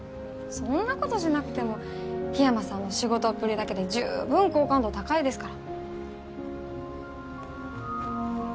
そんなことしなくても緋山さんの仕事っぷりだけで十分好感度高いですから。